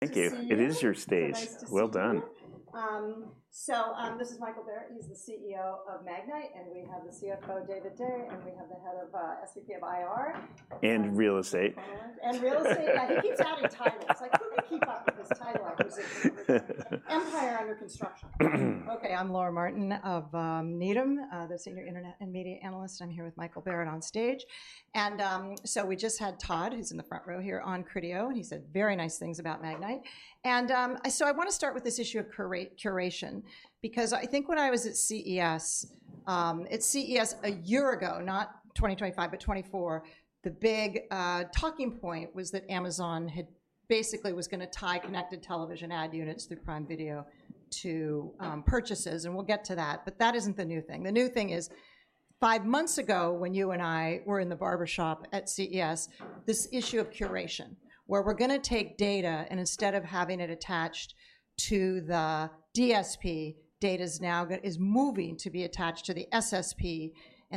Thank you. It is your stage. Well done. This is Michael Barrett. He's the CEO of Magnite, and we have the CFO, David Day, and we have the SVP of IR. Real estate. Real estate. He keeps adding titles. I keep up with his title. Empire under construction. Okay, I'm Laura Martin of Needham, the senior internet and media analyst. I'm here with Michael Barrett on stage. We just had Todd, who's in the front row here on CREDEO, and he said very nice things about Magnite. I want to start with this issue of curation, because I think when I was at CES, at CES a year ago, not 2025, but 2024, the big talking point was that Amazon had basically was going to tie connected television ad units through Prime Video to purchases. We'll get to that. That isn't the new thing. The new thing is, five months ago, when you and I were in the barbershop at CES, this issue of curation, where we're going to take data and instead of having it attached to the DSP, data is now moving to be attached to the SSP.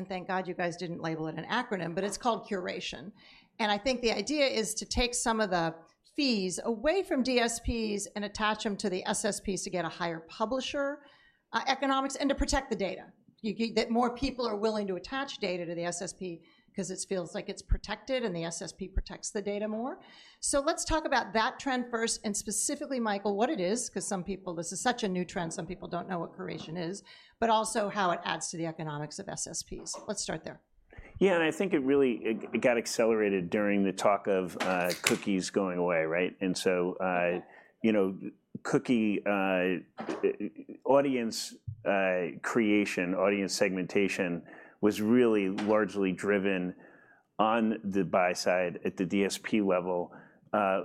Thank God you guys did not label it an acronym, but it is called curation. I think the idea is to take some of the fees away from DSPs and attach them to the SSPs to get a higher publisher economics and to protect the data, that more people are willing to attach data to the SSP because it feels like it is protected and the SSP protects the data more. Let us talk about that trend first, and specifically, Michael, what it is, because some people, this is such a new trend, some people do not know what curation is, but also how it adds to the economics of SSPs. Let us start there. Yeah, and I think it really got accelerated during the talk of cookies going away, right? Cookie audience creation, audience segmentation was really largely driven on the buy side at the DSP level,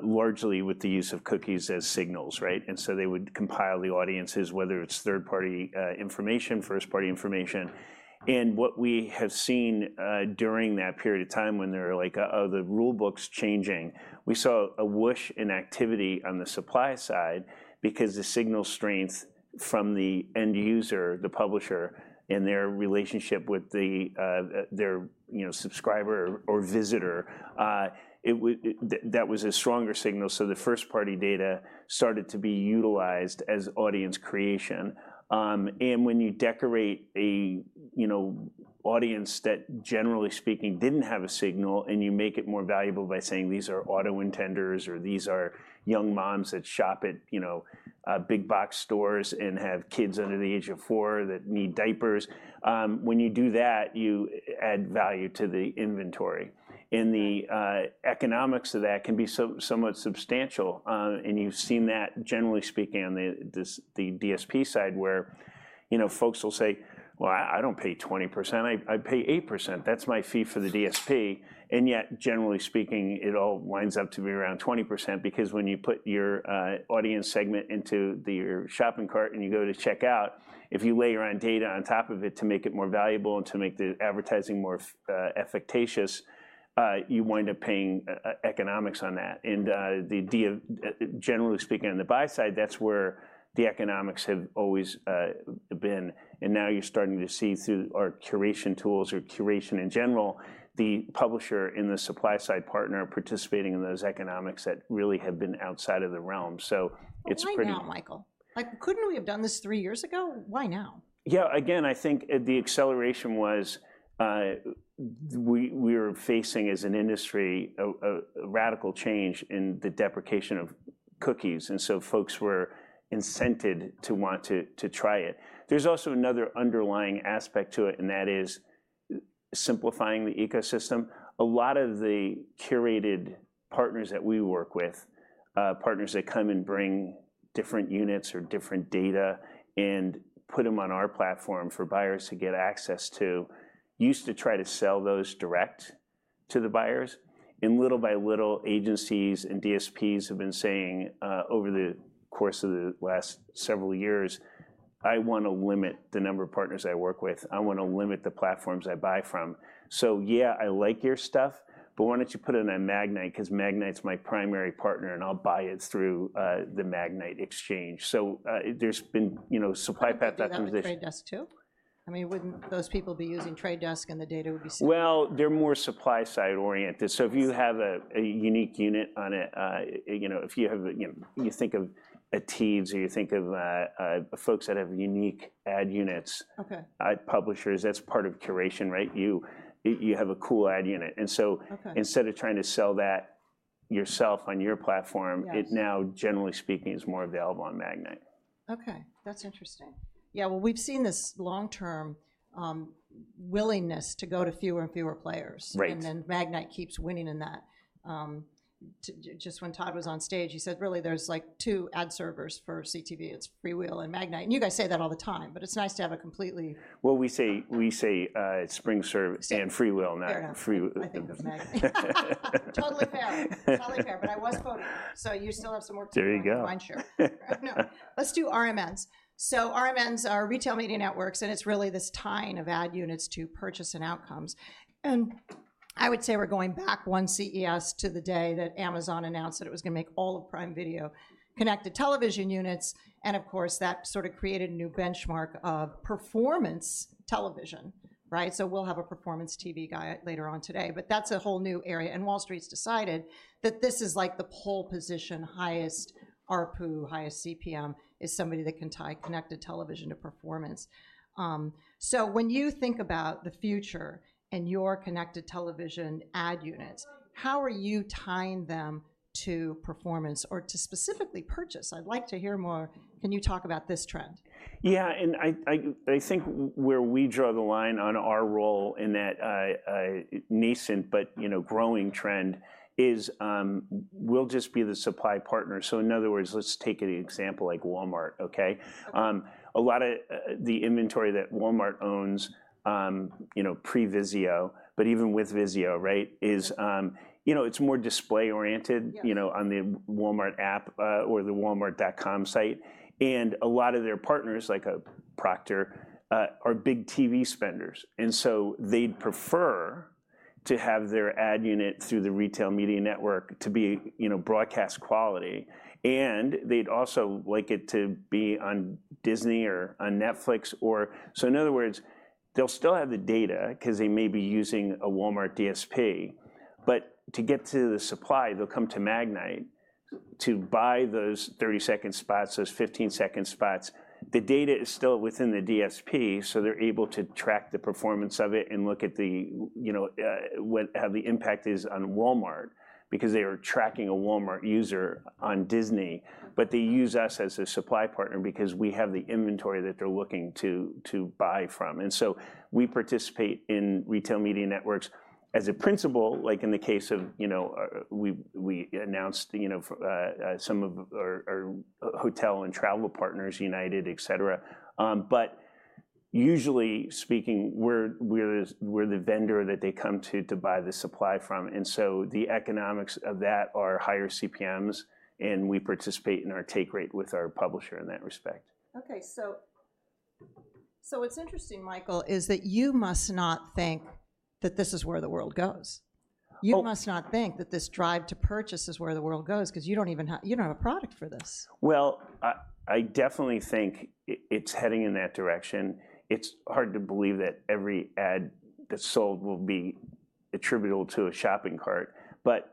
largely with the use of cookies as signals, right? They would compile the audiences, whether it's third-party information, first-party information. What we have seen during that period of time when they're like, oh, the rulebook's changing, we saw a whoosh in activity on the supply side because the signal strength from the end user, the publisher, and their relationship with their subscriber or visitor, that was a stronger signal. The first-party data started to be utilized as audience creation. When you decorate an audience that, generally speaking, did not have a signal, and you make it more valuable by saying, these are auto intenders or these are young moms that shop at big box stores and have kids under the age of four that need diapers, when you do that, you add value to the inventory. The economics of that can be somewhat substantial. You have seen that, generally speaking, on the DSP side, where folks will say, well, I do not pay 20%. I pay 8%. That is my fee for the DSP. Yet, generally speaking, it all winds up to be around 20% because when you put your audience segment into your shopping cart and you go to check out, if you layer on data on top of it to make it more valuable and to make the advertising more efficacious, you wind up paying economics on that. Generally speaking, on the buy side, that's where the economics have always been. Now you're starting to see through our curation tools or curation in general, the publisher and the supply side partner participating in those economics that really have been outside of the realm. Why now, Michael? Couldn't we have done this three years ago? Why now? Yeah, again, I think the acceleration was we were facing as an industry a radical change in the deprecation of cookies. Folks were incented to want to try it. There's also another underlying aspect to it, and that is simplifying the ecosystem. A lot of the curated partners that we work with, partners that come and bring different units or different data and put them on our platform for buyers to get access to, used to try to sell those direct to the buyers. Little by little, agencies and DSPs have been saying over the course of the last several years, I want to limit the number of partners I work with. I want to limit the platforms I buy from. Yeah, I like your stuff, but why don't you put it in Magnite, because Magnite's my primary partner and I'll buy it through the Magnite exchange. There's been supply path. Is that The Trade Desk too? I mean, wouldn't those people be using The Trade Desk and the data would be? They're more supply side oriented. If you have a unique unit on it, if you think of a TEEDS or you think of folks that have unique ad units, publishers, that's part of curation, right? You have a cool ad unit. Instead of trying to sell that yourself on your platform, it now, generally speaking, is more available on Magnite. Okay, that's interesting. Yeah, we've seen this long-term willingness to go to fewer and fewer players. Magnite keeps winning in that. Just when Todd was on stage, he said, really, there's like two ad servers for CTV. It's FreeWheel and Magnite. You guys say that all the time, but it's nice to have a completely. We say SpringServe and FreeWheel now. I think that's Magnite. Totally fair. Totally fair. I was voting. You still have some work to do. There you go. Let's do RMNs. RMNs are retail media networks, and it's really this tie-in of ad units to purchase and outcomes. I would say we're going back one CES to the day that Amazon announced that it was going to make all of Prime Video connected television units. Of course, that sort of created a new benchmark of performance television, right? We'll have a performance TV guy later on today. That's a whole new area. Wall Street's decided that this is like the pole position, highest RPU, highest CPM is somebody that can tie connected television to performance. When you think about the future and your connected television ad units, how are you tying them to performance or to specifically purchase? I'd like to hear more. Can you talk about this trend? Yeah, and I think where we draw the line on our role in that nascent but growing trend is we'll just be the supply partner. In other words, let's take an example like Walmart, okay? A lot of the inventory that Walmart owns, pre-Vizio, but even with Vizio, right, it's more display oriented on the Walmart app or the walmart.com site. A lot of their partners, like a Procter, are big TV spenders. They'd prefer to have their ad unit through the retail media network to be broadcast quality. They'd also like it to be on Disney or on Netflix. In other words, they'll still have the data because they may be using a Walmart DSP. To get to the supply, they'll come to Magnite to buy those 30-second spots, those 15-second spots. The data is still within the DSP, so they're able to track the performance of it and look at how the impact is on Walmart because they are tracking a Walmart user on Disney. They use us as a supply partner because we have the inventory that they're looking to buy from. We participate in retail media networks as a principle, like in the case of we announced some of our hotel and travel partners, United, et cetera. Usually speaking, we're the vendor that they come to buy the supply from. The economics of that are higher CPMs, and we participate in our take rate with our publisher in that respect. Okay, so what's interesting, Michael, is that you must not think that this is where the world goes. You must not think that this drive to purchase is where the world goes because you don't have a product for this. I definitely think it's heading in that direction. It's hard to believe that every ad that's sold will be attributable to a shopping cart.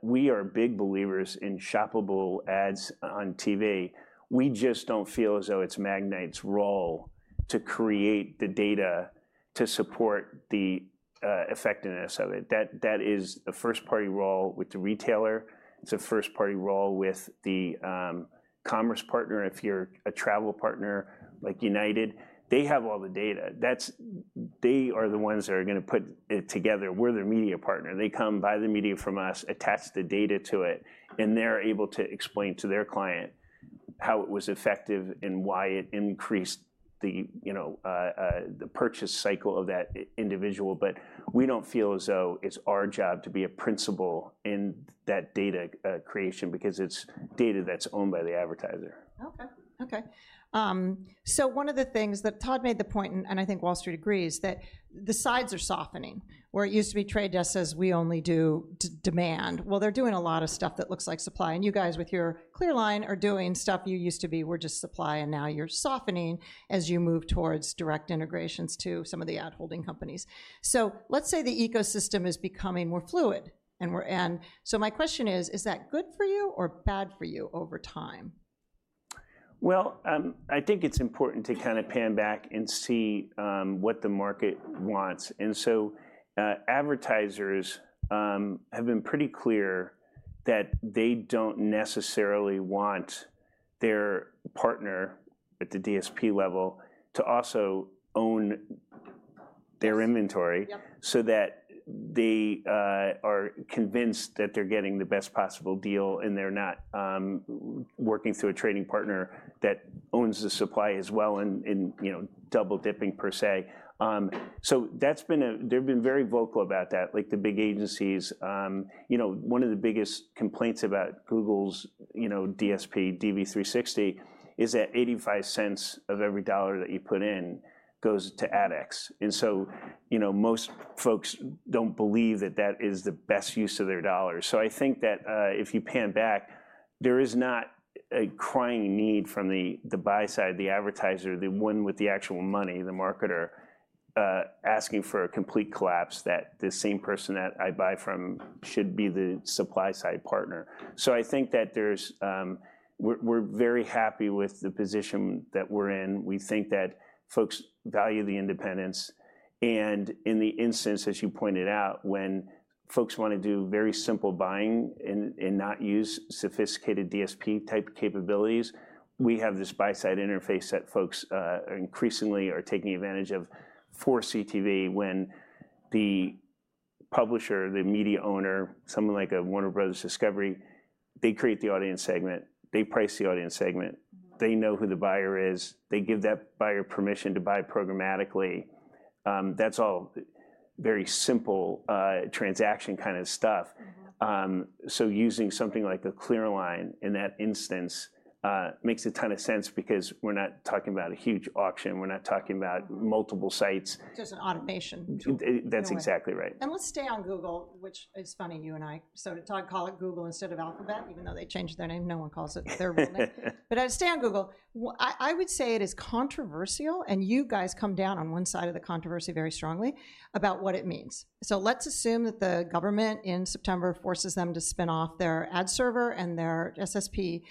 We are big believers in shoppable ads on TV. We just don't feel as though it's Magnite's role to create the data to support the effectiveness of it. That is a first-party role with the retailer. It's a first-party role with the commerce partner. If you're a travel partner like United Airlines, they have all the data. They are the ones that are going to put it together. We're their media partner. They come buy the media from us, attach the data to it, and they're able to explain to their client how it was effective and why it increased the purchase cycle of that individual. We don't feel as though it's our job to be a principal in that data creation because it's data that's owned by the advertiser. Okay, okay. One of the things that Todd made the point, and I think Wall Street agrees, that the sides are softening. Where it used to be Trade Desk says, we only do demand. Well, they're doing a lot of stuff that looks like supply. And you guys with your ClearLine are doing stuff you used to be were just supply. Now you're softening as you move towards direct integrations to some of the ad holding companies. Let's say the ecosystem is becoming more fluid. My question is, is that good for you or bad for you over time? I think it's important to kind of pan back and see what the market wants. Advertisers have been pretty clear that they do not necessarily want their partner at the DSP level to also own their inventory so that they are convinced that they're getting the best possible deal and they're not working through a trading partner that owns the supply as well and double dipping per se. They have been very vocal about that, like the big agencies. One of the biggest complaints about Google's DSP, DV360, is that $0.85 of every dollar that you put in goes to AdX. Most folks do not believe that that is the best use of their dollars. I think that if you pan back, there is not a crying need from the buy side, the advertiser, the one with the actual money, the marketer, asking for a complete collapse that this same person that I buy from should be the supply side partner. I think that we're very happy with the position that we're in. We think that folks value the independence. In the instance, as you pointed out, when folks want to do very simple buying and not use sophisticated DSP type capabilities, we have this buy side interface that folks increasingly are taking advantage of for CTV when the publisher, the media owner, someone like a Warner Bros. Discovery, they create the audience segment, they price the audience segment, they know who the buyer is, they give that buyer permission to buy programmatically. That's all very simple transaction kind of stuff. Using something like ClearLine in that instance makes a ton of sense because we're not talking about a huge auction. We're not talking about multiple sites. Just an automation. That's exactly right. Let's stay on Google, which is funny, you and I. Todd called it Google instead of Alphabet, even though they changed their name. No one calls it their roommate. Stay on Google. I would say it is controversial, and you guys come down on one side of the controversy very strongly about what it means. Let's assume that the government in September forces them to spin off their ad server and their SSP.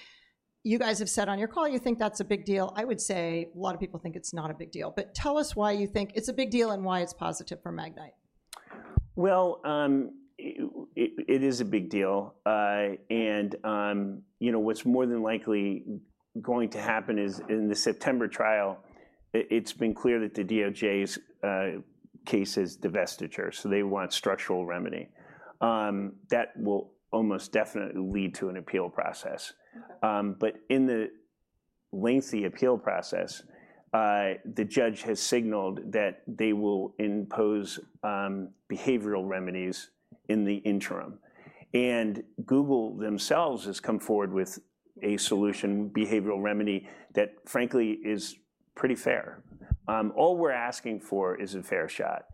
You guys have said on your call, you think that's a big deal. I would say a lot of people think it's not a big deal. Tell us why you think it's a big deal and why it's positive for Magnite. It is a big deal. What is more than likely going to happen is in the September trial, it has been clear that the DOJ's case is divestiture. They want structural remedy. That will almost definitely lead to an appeal process. In the lengthy appeal process, the judge has signaled that they will impose behavioral remedies in the interim. Google themselves has come forward with a solution, behavioral remedy, that frankly is pretty fair. All we are asking for is a fair shot.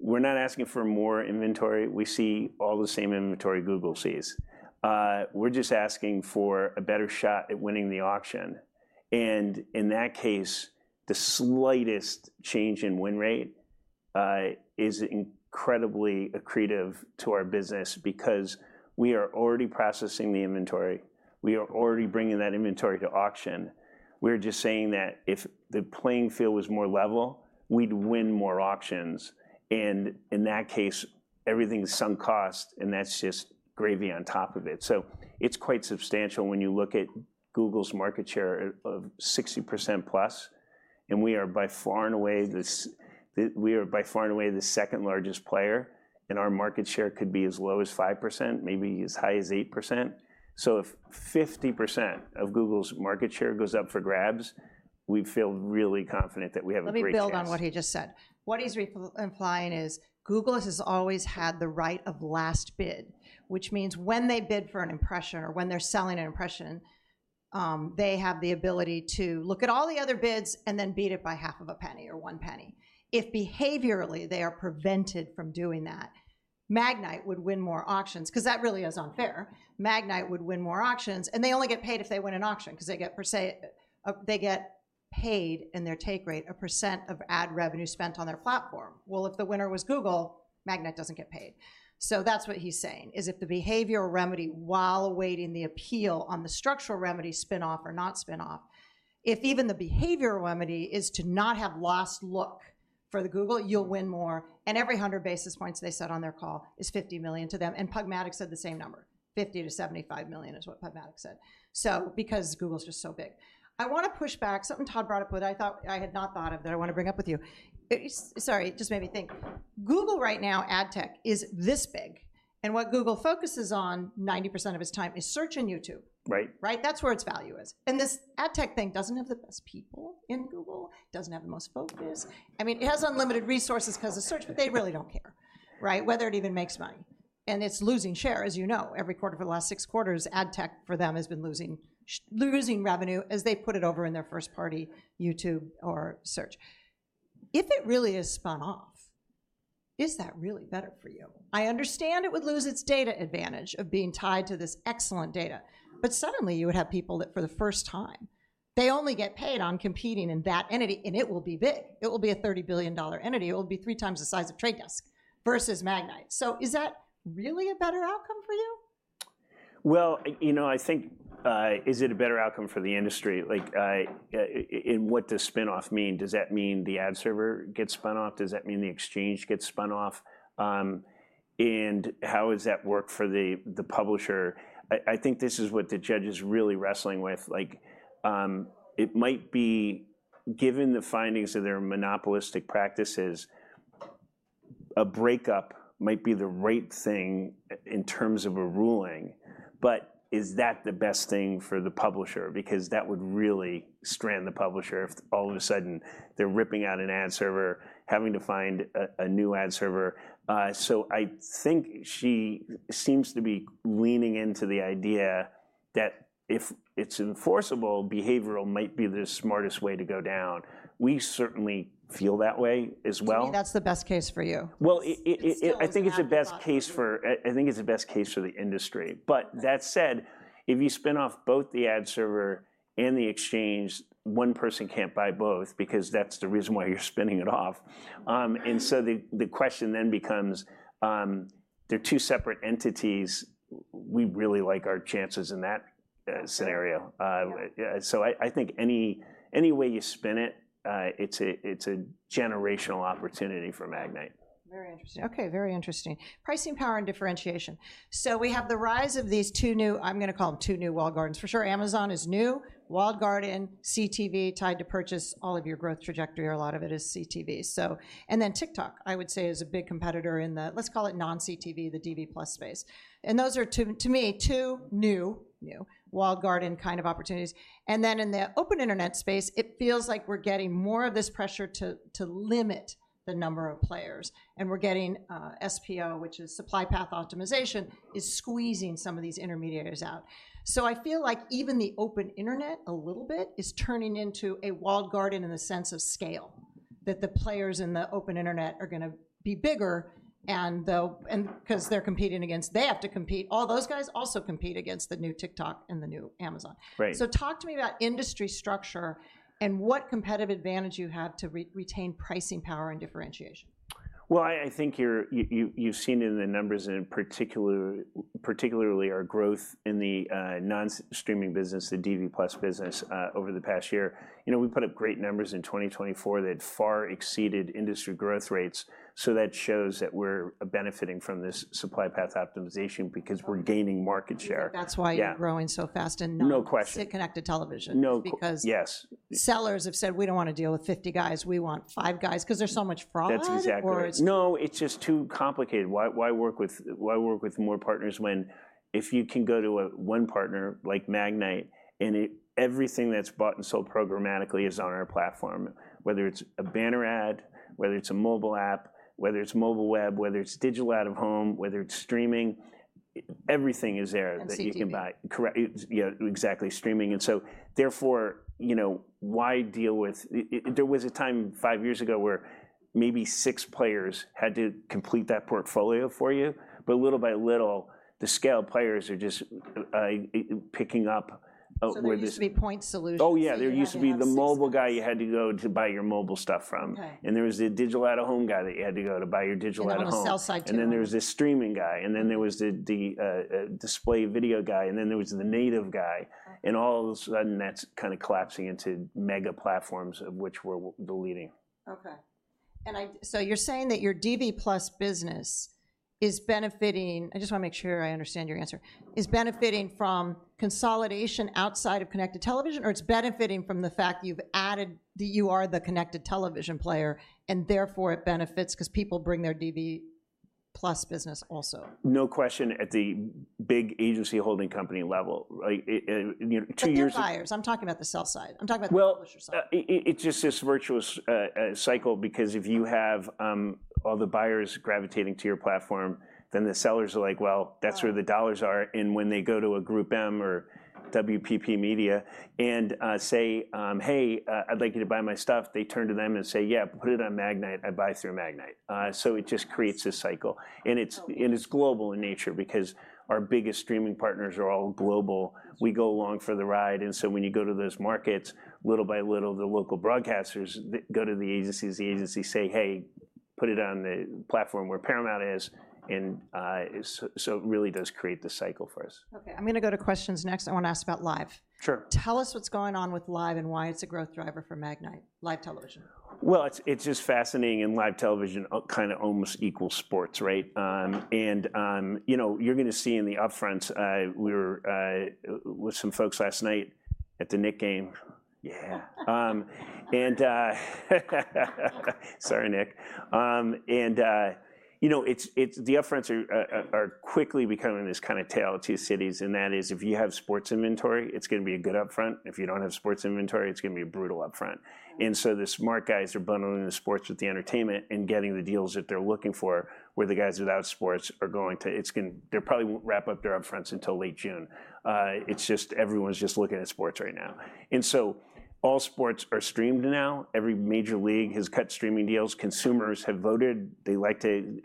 We are not asking for more inventory. We see all the same inventory Google sees. We are just asking for a better shot at winning the auction. In that case, the slightest change in win rate is incredibly accretive to our business because we are already processing the inventory. We are already bringing that inventory to auction. We're just saying that if the playing field was more level, we'd win more auctions. In that case, everything's sunk cost, and that's just gravy on top of it. It's quite substantial when you look at Google's market share of 60% plus. We are by far and away the second largest player. Our market share could be as low as 5%, maybe as high as 8%. If 50% of Google's market share goes up for grabs, we feel really confident that we have a big shot. Let me build on what he just said. What he's implying is Google has always had the right of last bid, which means when they bid for an impression or when they're selling an impression, they have the ability to look at all the other bids and then beat it by half of a penny or one penny. If behaviorally they are prevented from doing that, Magnite would win more auctions because that really is unfair. Magnite would win more auctions. They only get paid if they win an auction because they get paid in their take rate, a % of ad revenue spent on their platform. If the winner was Google, Magnite doesn't get paid. That's what he's saying is if the behavioral remedy while awaiting the appeal on the structural remedy spin-off or not spin-off, if even the behavioral remedy is to not have lost look for the Google, you'll win more. Every 100 basis points they said on their call is $50 million to them. Pragmatic said the same number, $50 million-$75 million is what Pragmatic said. Because Google's just so big. I want to push back something Todd brought up that I thought I had not thought of that I want to bring up with you. Sorry, it just made me think. Google right now, ad tech, is this big. What Google focuses on 90% of its time is search and YouTube, right? That's where its value is. This ad tech thing doesn't have the best people in Google. It doesn't have the most focus. I mean, it has unlimited resources because of search, but they really do not care, right? Whether it even makes money. It is losing share, as you know, every quarter for the last six quarters, ad tech for them has been losing revenue as they put it over in their first-party YouTube or search. If it really is spun off, is that really better for you? I understand it would lose its data advantage of being tied to this excellent data. Suddenly you would have people that for the first time, they only get paid on competing in that entity, and it will be big. It will be a $30 billion entity. It will be three times the size of Trade Desk versus Magnite. Is that really a better outcome for you? You know, I think is it a better outcome for the industry? What does spin-off mean? Does that mean the ad server gets spun off? Does that mean the exchange gets spun off? How does that work for the publisher? I think this is what the judge is really wrestling with. It might be, given the findings of their monopolistic practices, a breakup might be the right thing in terms of a ruling. Is that the best thing for the publisher? That would really strand the publisher if all of a sudden they're ripping out an ad server, having to find a new ad server. I think she seems to be leaning into the idea that if it's enforceable, behavioral might be the smartest way to go down. We certainly feel that way as well. That's the best case for you. I think it's the best case for the industry. That said, if you spin off both the ad server and the exchange, one person can't buy both because that's the reason why you're spinning it off. The question then becomes, they're two separate entities. We really like our chances in that scenario. I think any way you spin it, it's a generational opportunity for Magnite. Very interesting. Okay, very interesting. Pricing power and differentiation. We have the rise of these two new, I'm going to call them two new walled gardens. For sure, Amazon is new. Walled garden, CTV tied to purchase. All of your growth trajectory, or a lot of it, is CTV. TikTok, I would say, is a big competitor in the, let's call it non-CTV, the DV+ space. Those are to me two new walled garden kind of opportunities. In the open internet space, it feels like we're getting more of this pressure to limit the number of players. We're getting SPO, which is supply path optimization, is squeezing some of these intermediaries out. I feel like even the open internet a little bit is turning into a walled garden in the sense of scale, that the players in the open internet are going to be bigger. Because they're competing against, they have to compete. All those guys also compete against the new TikTok and the new Amazon. Talk to me about industry structure and what competitive advantage you have to retain pricing power and differentiation. I think you've seen in the numbers and particularly our growth in the non-streaming business, the DV+ business over the past year. We put up great numbers in 2024 that far exceeded industry growth rates. That shows that we're benefiting from this supply path optimization because we're gaining market share. That's why you're growing so fast and not just connected television. No question. Yes. Because sellers have said, we don't want to deal with 50 guys. We want five guys because there's so much fraud. That's exactly right. No, it's just too complicated. Why work with more partners when if you can go to one partner like Magnite, and everything that's bought and sold programmatically is on our platform, whether it's a banner ad, whether it's a mobile app, whether it's mobile web, whether it's digital out of home, whether it's streaming, everything is there that you can buy. Absolutely. Correct. Yeah, exactly. Streaming. Therefore, why deal with, there was a time five years ago where maybe six players had to complete that portfolio for you. Little by little, the scale players are just picking up. There used to be point solutions. Oh yeah. There used to be the mobile guy you had to go to buy your mobile stuff from. There was the digital out of home guy that you had to go to buy your digital out of home. Oh, the sell side too. There was the streaming guy. There was the display video guy. There was the native guy. All of a sudden, that's kind of collapsing into mega platforms, which were the leading. Okay. You are saying that your DV+ business is benefiting, I just want to make sure I understand your answer, is benefiting from consolidation outside of connected television, or it is benefiting from the fact that you have added that you are the connected television player and therefore it benefits because people bring their DV+ business also? No question at the big agency holding company level. Two years. I'm talking about the sell side. I'm talking about the publisher side. It is just this virtuous cycle because if you have all the buyers gravitating to your platform, then the sellers are like, well, that's where the dollars are. When they go to a GroupM or WPP Media and say, hey, I'd like you to buy my stuff, they turn to them and say, yeah, put it on Magnite. I buy through Magnite. It just creates a cycle. It is global in nature because our biggest streaming partners are all global. We go along for the ride. When you go to those markets, little by little, the local broadcasters go to the agencies, the agencies say, hey, put it on the platform where Paramount is. It really does create the cycle for us. Okay. I'm going to go to questions next. I want to ask about live. Sure. Tell us what's going on with live and why it's a growth driver for Magnite, live television. It is just fascinating. Live television kind of almost equals sports, right? You are going to see in the upfronts, we were with some folks last night at the Knicks game. Yeah. Sorry, Knicks. The upfronts are quickly becoming this kind of tale of two cities. That is, if you have sports inventory, it is going to be a good upfront. If you do not have sports inventory, it is going to be a brutal upfront. The smart guys are bundling the sports with the entertainment and getting the deals that they are looking for, where the guys without sports probably will not wrap up their upfronts until late June. Everyone is just looking at sports right now. All sports are streamed now. Every major league has cut streaming deals. Consumers have voted. They like to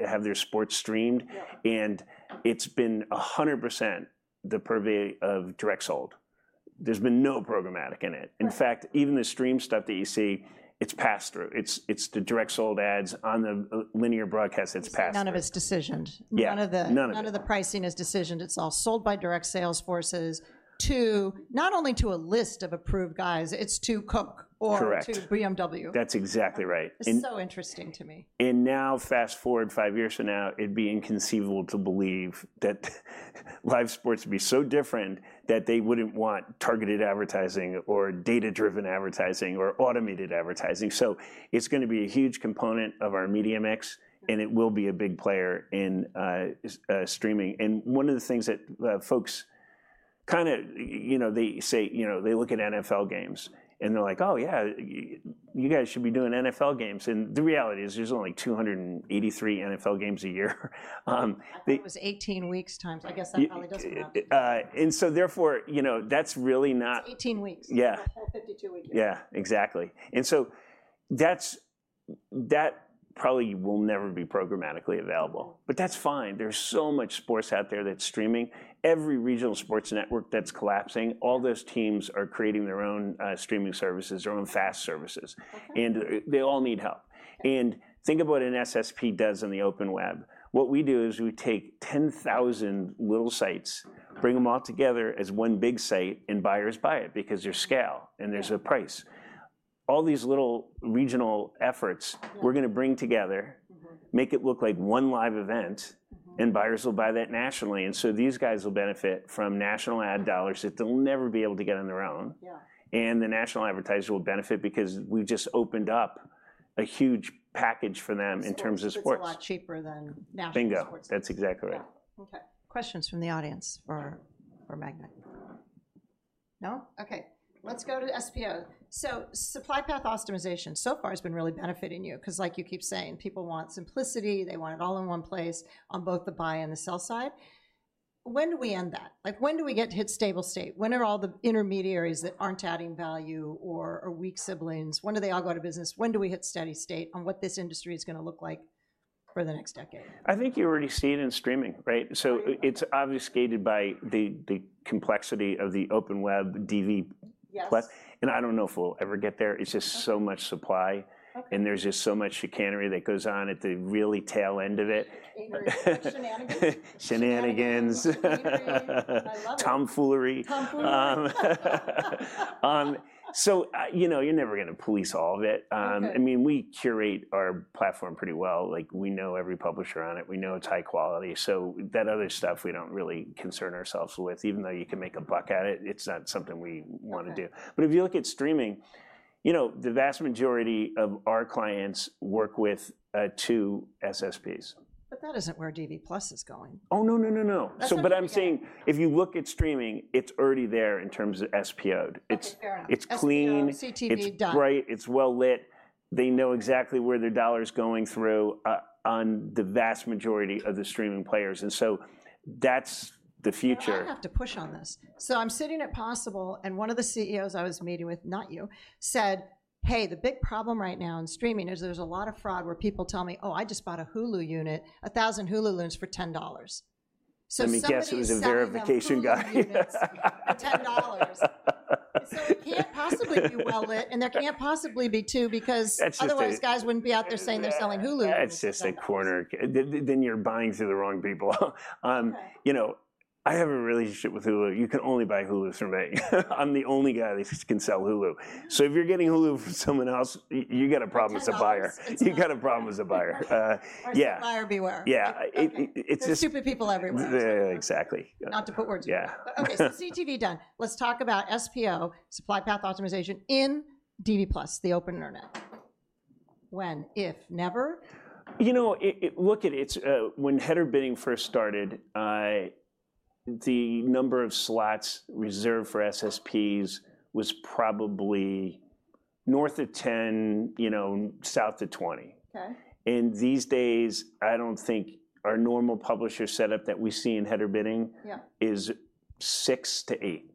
have their sports streamed. It has been 100% the purvey of direct sold. There has been no programmatic in it. In fact, even the stream stuff that you see, it is passed through. It is the direct sold ads on the linear broadcast that is passed through. None of it's decisioned. None of the pricing is decisioned. It's all sold by direct sales forces. Not only to a list of approved guys, it's to Coke or to BMW. Correct. That's exactly right. It's so interesting to me. Fast forward five years from now, it'd be inconceivable to believe that live sports would be so different that they wouldn't want targeted advertising or data-driven advertising or automated advertising. It is going to be a huge component of our media mix. It will be a big player in streaming. One of the things that folks kind of, you know, they say, you know, they look at NFL games and they're like, oh yeah, you guys should be doing NFL games. The reality is there's only 283 NFL games a year. That was 18 weeks times. I guess that probably doesn't matter. Therefore, you know, that's really not. It's 18 weeks. Yeah. Not a whole 52-week game. Yeah, exactly. That probably will never be programmatically available. That's fine. There is so much sports out there that's streaming. Every regional sports network that's collapsing, all those teams are creating their own streaming services, their own fast services. They all need help. Think about what an SSP does in the open web. What we do is we take 10,000 little sites, bring them all together as one big site, and buyers buy it because there is scale and there is a price. All these little regional efforts, we are going to bring together, make it look like one live event, and buyers will buy that nationally. These guys will benefit from national ad dollars that they will never be able to get on their own. The national advertisers will benefit because we have just opened up a huge package for them in terms of sports. It's a lot cheaper than national sports. Bingo. That's exactly right. Okay. Questions from the audience for Magnite? No? Okay. Let's go to SPO. Supply path optimization so far has been really benefiting you because like you keep saying, people want simplicity. They want it all in one place on both the buy and the sell side. When do we end that? When do we get to hit stable state? When are all the intermediaries that aren't adding value or weak siblings, when do they all go out of business? When do we hit steady state on what this industry is going to look like for the next decade? I think you already see it in streaming, right? It is obviously scaled by the complexity of the open web DV+. I do not know if we will ever get there. It is just so much supply. There is just so much chicanery that goes on at the really tail end of it. Shenanigans. Shenanigans. I love it. Tom Foolery. You know you're never going to police all of it. I mean, we curate our platform pretty well. We know every publisher on it. We know it's high quality. That other stuff, we don't really concern ourselves with, even though you can make a buck at it. It's not something we want to do. If you look at streaming, you know the vast majority of our clients work with two SSPs. That isn't where DV+ is going. Oh, no, no, no. I'm saying if you look at streaming, it's already there in terms of SPO. It's clean. It's CTV done. Right. It's well lit. They know exactly where their dollar is going through on the vast majority of the streaming players. That's the future. I have to push on this. So I'm sitting at Possible, and one of the CEOs I was meeting with, not you, said, hey, the big problem right now in streaming is there's a lot of fraud where people tell me, oh, I just bought a Hulu unit, 1,000 Hulu loons for $10. Let me guess, it was a verification guy. $10. It can't possibly be well lit. There can't possibly be two because otherwise guys wouldn't be out there saying they're selling Hulu. That's just a corner. You're buying through the wrong people. You know I have a relationship with Hulu. You can only buy Hulu through me. I'm the only guy that can sell Hulu. If you're getting Hulu from someone else, you got a problem as a buyer. You got a problem as a buyer. Buyer beware. Yeah. There's stupid people everywhere. Exactly. Not to put words in your mouth. Okay, so CTV done. Let's talk about SPO, supply path optimization in DV+, the open internet. When, if, never? You know, look at it. When header bidding first started, the number of slots reserved for SSPs was probably north of 10, you know, south of 20. These days, I don't think our normal publisher setup that we see in header bidding is six to eight.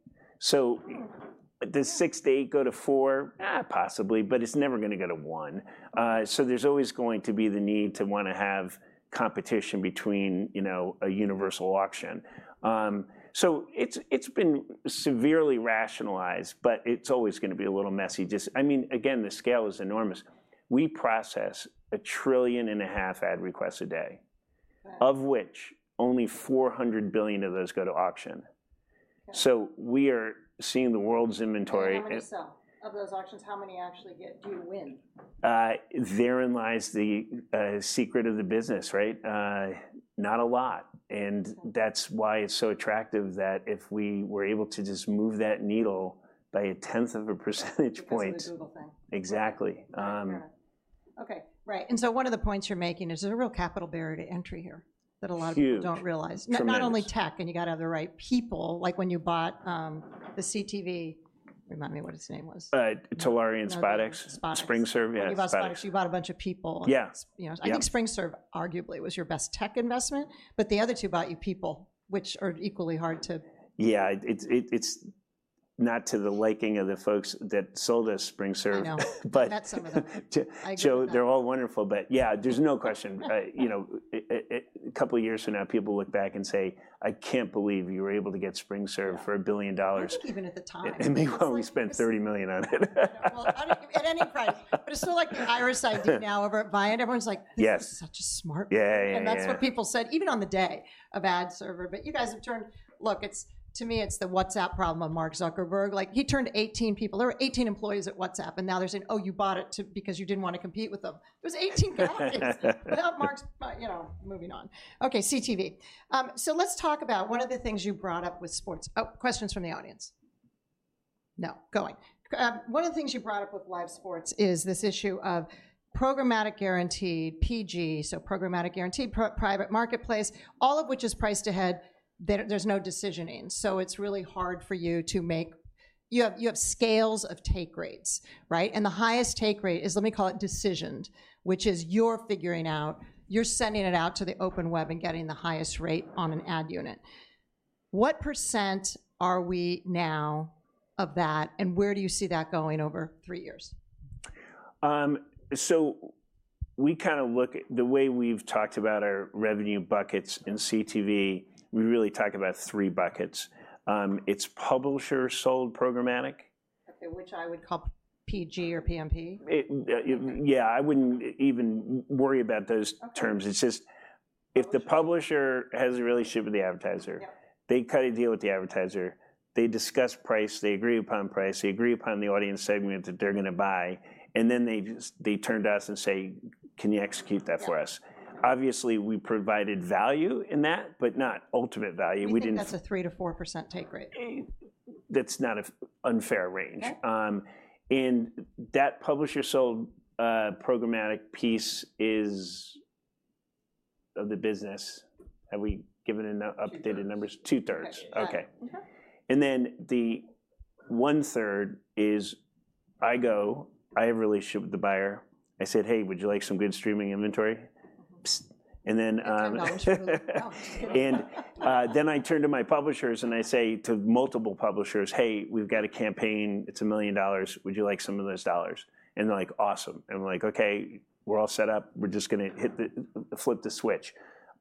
Does six to eight go to four? Possibly, but it's never going to go to one. There's always going to be the need to want to have competition between a universal auction. It's been severely rationalized, but it's always going to be a little messy. I mean, again, the scale is enormous. We process a trillion and a half ad requests a day, of which only 400 billion of those go to auction. We are seeing the world's inventory. How many of those auctions, how many actually do you win? Therein lies the secret of the business, right? Not a lot. That is why it is so attractive that if we were able to just move that needle by a tenth of a percentage point. It's the Google thing. Exactly. Okay. Right. One of the points you're making is there's a real capital barrier to entry here that a lot of people don't realize. Huge. Not only tech, and you got to have the right people. Like when you bought the CTV, remind me what his name was. Telaria and SpotX. SpotX. SpringServe, yes. You bought SpotX. You bought a bunch of people. Yeah. I think SpringServe arguably was your best tech investment, but the other two bought you people, which are equally hard to. Yeah. It's not to the liking of the folks that sold us SpringServe. I know. I met some of them. They're all wonderful, but yeah, there's no question. A couple of years from now, people look back and say, I can't believe you were able to get SpringServe for $1 billion. Even at the time. I mean, we spent $30 million on it. At any price. It's still like the Irish idea now of buying. Everyone's like, this is such a smart move. Yeah. That is what people said, even on the day of AdServer. You guys have turned, look, to me, it is the WhatsApp problem of Mark Zuckerberg. He turned 18 people. There were 18 employees at WhatsApp. Now they are saying, oh, you bought it because you did not want to compete with them. There were 18 guys. Without Mark's, you know, moving on. Okay, CTV. Let us talk about one of the things you brought up with sports. Oh, questions from the audience. No. Going. One of the things you brought up with live sports is this issue of programmatic guaranteed PG, so programmatic guaranteed private marketplace, all of which is priced ahead. There is no decisioning. It is really hard for you to make, you have scales of take rates, right? The highest take rate is, let me call it decisioned, which is you're figuring out, you're sending it out to the open web and getting the highest rate on an ad unit. What % are we now of that? Where do you see that going over three years? We kind of look, the way we've talked about our revenue buckets in CTV, we really talk about three buckets. It's publisher sold programmatic. Okay, which I would call PG or PMP. Yeah. I would not even worry about those terms. It is just if the publisher has a relationship with the advertiser, they cut a deal with the advertiser. They discuss price. They agree upon price. They agree upon the audience segment that they are going to buy. They turn to us and say, can you execute that for us? Obviously, we provided value in that, but not ultimate value. That's a 3%-4% take rate. That's not an unfair range. That publisher sold programmatic piece is of the business. Have we given enough updated numbers? Two-thirds. Okay. The one-third is I go, I have a relationship with the buyer. I said, hey, would you like some good streaming inventory? I turn to my publishers and I say to multiple publishers, hey, we've got a campaign. It's $1 million. Would you like some of those dollars? They're like, awesome. I'm like, okay, we're all set up. We're just going to flip the switch.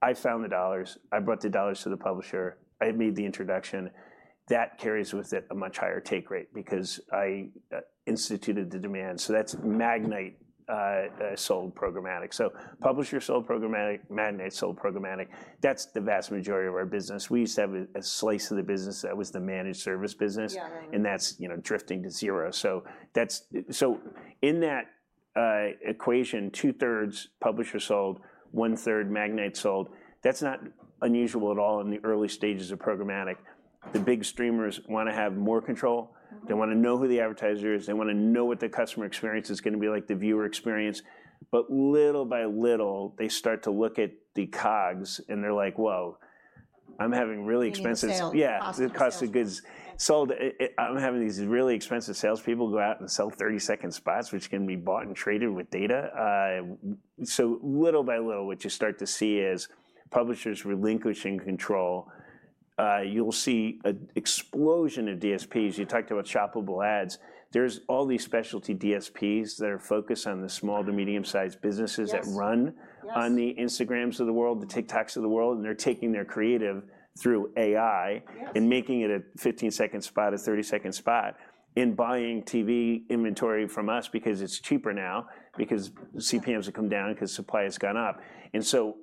I found the dollars. I brought the dollars to the publisher. I made the introduction. That carries with it a much higher take rate because I instituted the demand. That's Magnite sold programmatic. Publisher sold programmatic, Magnite sold programmatic. That's the vast majority of our business. We used to have a slice of the business that was the managed service business. That's drifting to zero. In that equation, two-thirds publisher sold, one-third Magnite sold. That's not unusual at all in the early stages of programmatic. The big streamers want to have more control. They want to know who the advertiser is. They want to know what the customer experience is going to be like, the viewer experience. Little by little, they start to look at the cogs and they're like, whoa, I'm having really expensive. Sales costs. Yeah, the cost of goods sold. I'm having these really expensive salespeople go out and sell 30-second spots, which can be bought and traded with data. Little by little, what you start to see is publishers relinquishing control. You'll see an explosion of DSPs. You talked about shoppable ads. There are all these specialty DSPs that are focused on the small to medium-sized businesses that run on the Instagrams of the world, the TikToks of the world. They're taking their creative through AI and making it a 15-second spot, a 30-second spot and buying TV inventory from us because it's cheaper now because CPMs have come down because supply has gone up.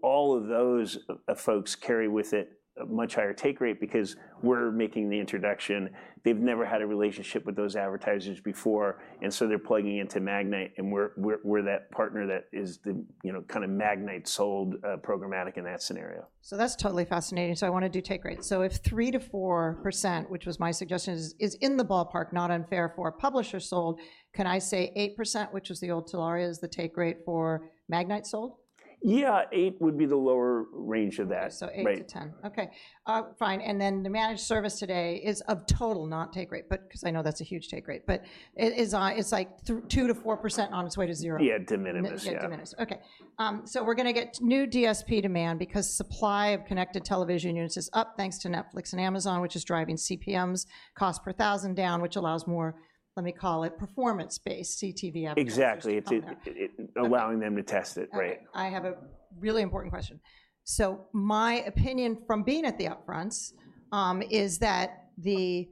All of those folks carry with it a much higher take rate because we're making the introduction. They've never had a relationship with those advertisers before. They're plugging into Magnite. We are that partner that is the kind of Magnite-sold programmatic in that scenario. That's totally fascinating. I want to do take rate. If 3%-4%, which was my suggestion, is in the ballpark, not unfair for a publisher sold, can I say 8%, which was the old Telaria as the take rate for Magnite sold? Yeah, 8% would be the lower range of that. 8% to 10%. Okay. Fine. And then the managed service today is of total non-take rate, but because I know that's a huge take rate, but it's like 2% to 4% on its way to zero. Yeah, to Minimus. Yeah. Yeah, to minimus. Okay. So we're going to get new DSP demand because supply of connected television units is up thanks to Netflix and Amazon, which is driving CPMs cost per thousand down, which allows more, let me call it, performance-based CTV advertising. Exactly. It's allowing them to test it, right? I have a really important question. My opinion from being at the upfronts is that the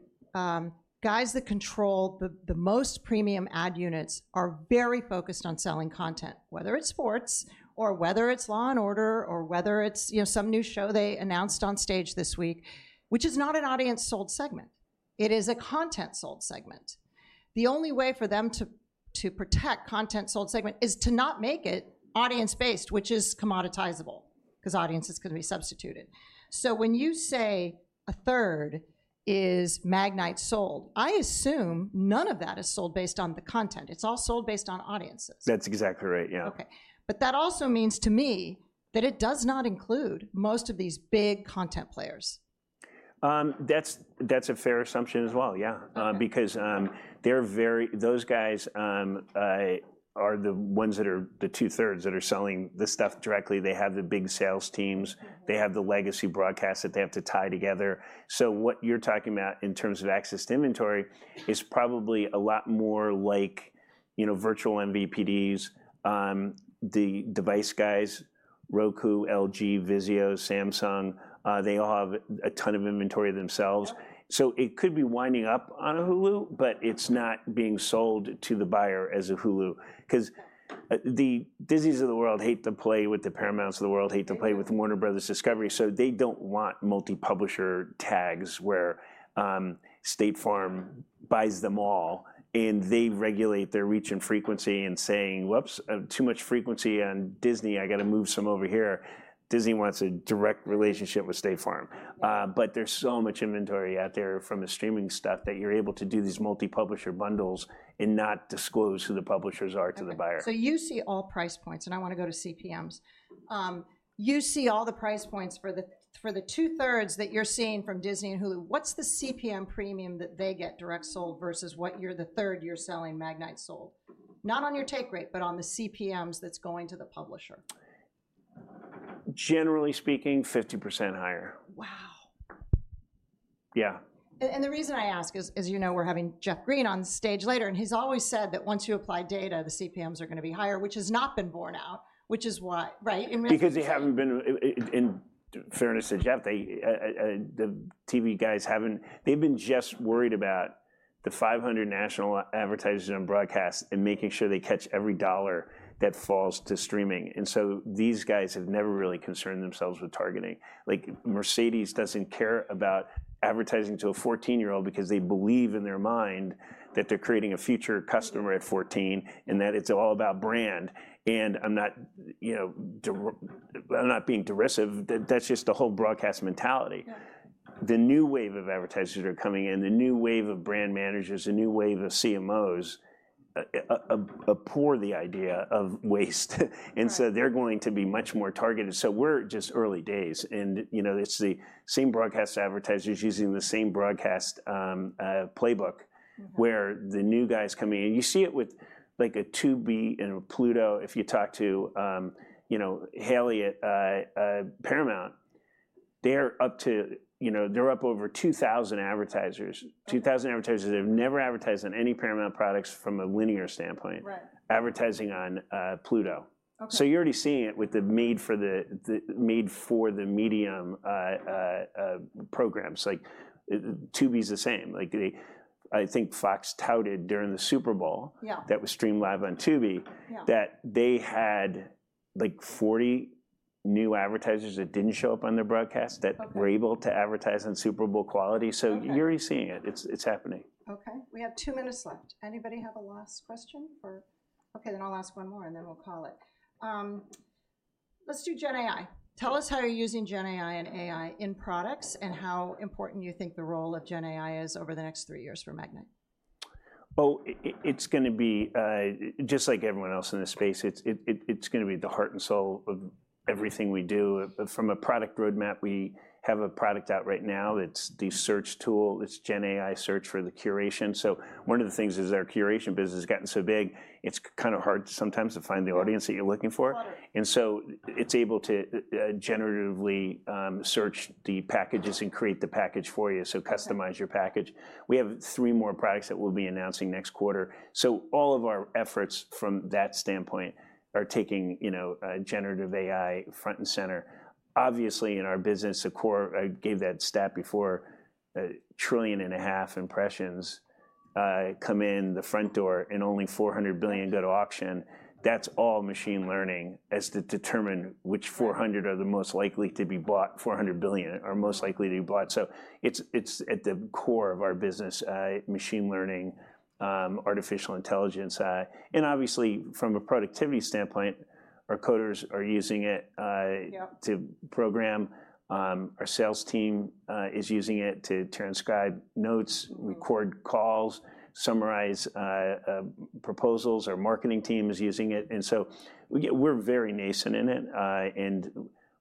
guys that control the most premium ad units are very focused on selling content, whether it is sports or whether it is Law & Order or whether it is some new show they announced on stage this week, which is not an audience-sold segment. It is a content-sold segment. The only way for them to protect content-sold segment is to not make it audience-based, which is commoditizable because audience is going to be substituted. When you say a third is Magnite sold, I assume none of that is sold based on the content. It is all sold based on audiences. That's exactly right. Yeah. Okay. That also means to me that it does not include most of these big content players. That's a fair assumption as well. Yeah. Because those guys are the ones that are the two-thirds that are selling the stuff directly. They have the big sales teams. They have the legacy broadcasts that they have to tie together. What you're talking about in terms of access to inventory is probably a lot more like virtual MVPDs, the device guys, Roku, LG, Vizio, Samsung. They all have a ton of inventory themselves. It could be winding up on a Hulu, but it's not being sold to the buyer as a Hulu because the Disneys of the world hate to play with the Paramounts of the world hate to play with Warner Bros. Discovery. They do not want multi-publisher tags where State Farm buys them all. They regulate their reach and frequency and say, whoops, too much frequency on Disney. I got to move some over here. Disney wants a direct relationship with State Farm. There is so much inventory out there from the streaming stuff that you are able to do these multi-publisher bundles and not disclose who the publishers are to the buyer. You see all price points, and I want to go to CPMs. You see all the price points for the two-thirds that you're seeing from Disney and Hulu. What's the CPM premium that they get direct sold versus what you're the third you're selling Magnite sold? Not on your take rate, but on the CPMs that's going to the publisher. Generally speaking, 50% higher. Wow. Yeah. The reason I ask is, as you know, we're having Jeff Green on stage later. He's always said that once you apply data, the CPMs are going to be higher, which has not been borne out, which is why, right? Because they haven't been, in fairness to Jeff, the TV guys haven't, they've been just worried about the 500 national advertisers on broadcast and making sure they catch every dollar that falls to streaming. These guys have never really concerned themselves with targeting. Like Mercedes doesn't care about advertising to a 14-year-old because they believe in their mind that they're creating a future customer at 14 and that it's all about brand. I'm not being derisive. That's just the whole broadcast mentality. The new wave of advertisers that are coming in, the new wave of brand managers, the new wave of CMOs abhor the idea of waste. They're going to be much more targeted. We're just early days. It's the same broadcast advertisers using the same broadcast playbook where the new guys come in. You see it with like a Tubi and a Pluto. If you talk to, like, Paramount, they're up to, they're up over 2,000 advertisers. 2,000 advertisers that have never advertised on any Paramount products from a linear standpoint, advertising on Pluto. You're already seeing it with the made for the medium programs. Like Tubi's the same. Like, I think Fox touted during the Super Bowl that was streamed live on Tubi that they had like 40 new advertisers that didn't show up on their broadcast that were able to advertise on Super Bowl quality. You're already seeing it. It's happening. Okay. We have two minutes left. Anybody have a last question? Okay. Then I'll ask one more and then we'll call it. Let's do Gen AI. Tell us how you're using Gen AI and AI in products and how important you think the role of Gen AI is over the next three years for Magnite. It is going to be just like everyone else in this space. It is going to be the heart and soul of everything we do. From a product roadmap, we have a product out right now. It is the search tool. It is Gen AI search for the curation. One of the things is our curation business has gotten so big, it is kind of hard sometimes to find the audience that you are looking for. It is able to generatively search the packages and create the package for you. Customize your package. We have three more products that we will be announcing next quarter. All of our efforts from that standpoint are taking generative AI front and center. Obviously, in our business, I gave that stat before, a trillion and a half impressions come in the front door and only 400 billion go to auction. That's all machine learning as to determine which 400 are the most likely to be bought, 400 billion are most likely to be bought. It is at the core of our business, machine learning, artificial intelligence. Obviously, from a productivity standpoint, our coders are using it to program. Our sales team is using it to transcribe notes, record calls, summarize proposals. Our marketing team is using it. We are very nascent in it.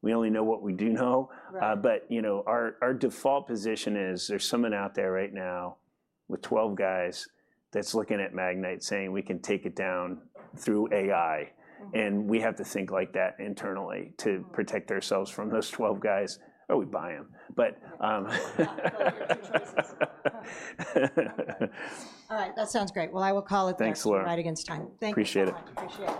We only know what we do know. Our default position is there's someone out there right now with 12 guys that's looking at Magnite, saying we can take it down through AI. We have to think like that internally to protect ourselves from those 12 guys. Oh, we buy them. All right. That sounds great. I will call it right against time. Thanks, Laura. Thank you.